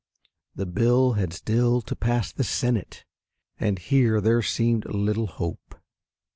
The bill had still to pass the Senate, and here there seemed little hope.